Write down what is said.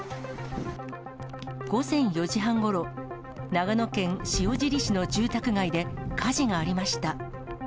午前４時半ごろ、長野県塩尻市の住宅街で火事がありました。